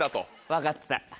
分かってた。